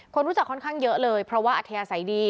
คนรู้จักค่อนข้างเยอะเลยเพราะว่าอัธยาศัยดี